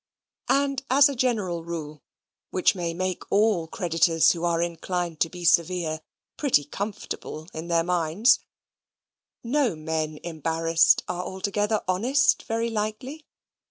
And as a general rule, which may make all creditors who are inclined to be severe pretty comfortable in their minds, no men embarrassed are altogether honest, very likely.